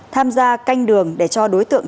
tham gia canh đường để cho đối tượng